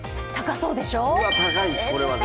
高そうでしょう？